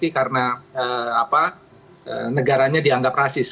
karena negaranya dianggap rasis